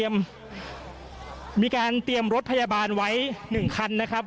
มีการเตรียมรถพยาบาลไว้๑คันนะครับ